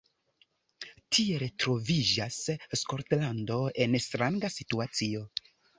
Tiel troviĝas Skotlando en stranga situacio.